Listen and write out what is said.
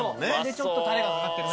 でちょっとタレがかかってる。